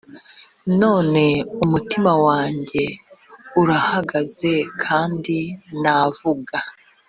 none umutima wanjye urahagaze kandi navuga